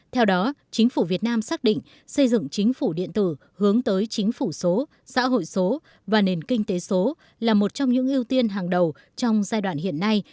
theo đó chính phủ việt nam xác định xây dựng chính phủ điện tử hướng tới chính phủ số xã hội số và nền kinh tế số là một trong những ưu tiên hàng đầu trong giai đoạn hiện nay